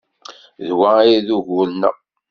D wa ay d ugur-nneɣ.